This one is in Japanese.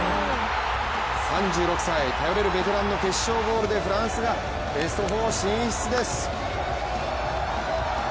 ３６歳、頼れるベテランの決勝ゴールでフランスがベスト４進出です。